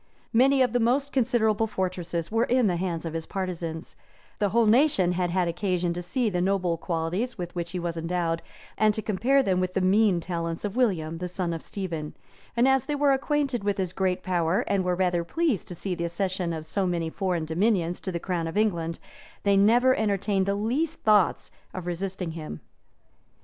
* Many of the most considerable fortresses were in the hands of his partisans; the whole nation had had occasion to see the noble qualities with which he was endowed, and to compare them with the mean talents of William, the son of Stephen; and as they were acquainted with his great power, and were rather pleased to see the accession of so many foreign dominions to the crown of England, they never entertained the least thoughts of resisting him.